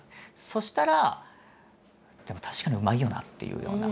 そしたらでも確かにうまいよなっていうような。